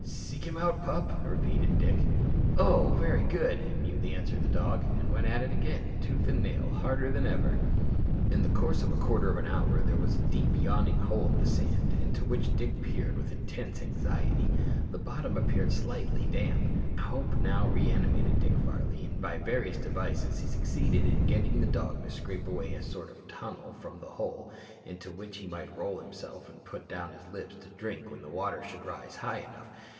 "Seek him out, pup!" repeated Dick. "Oh! very good," mutely answered the dog, and went at it again, tooth and nail, harder than ever. In the course of a quarter of an hour there was a deep yawning hole in the sand, into which Dick peered with intense anxiety. The bottom appeared slightly damp. Hope now reanimated Dick Varley, and by various devices he succeeded in getting the dog to scrape away a sort of tunnel from the hole, into which he might roll himself and put down his lips to drink when the water should rise high enough.